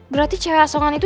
berarti cewek asongan itu